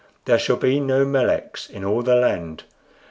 There shall be no Meleks in all the land.